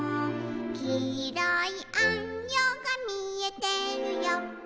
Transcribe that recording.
「きいろいあんよがみえてるよ」